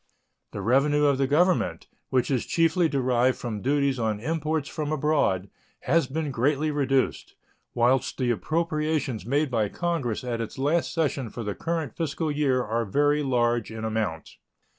The revenue of the Government, which is chiefly derived from duties on imports from abroad, has been greatly reduced, whilst the appropriations made by Congress at its last session for the current fiscal year are very large in amount.